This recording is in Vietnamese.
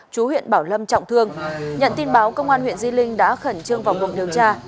chú huyện bảo lâm trọng thương nhận tin báo công an huyện di linh đã khẩn trương vào cuộc điều tra